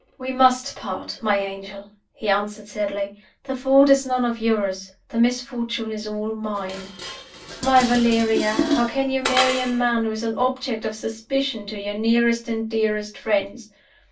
"We must part, my angel," he answered, sadly. "The fault is none of yours; the misfortune is all mine. My Valeria! how can you marry a man who is an object of suspicion to your nearest and dearest friends?